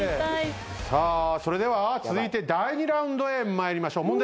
さあそれでは続いて第２ラウンドへ参りましょう。